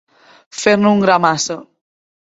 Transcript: Fer-ne un gra massa.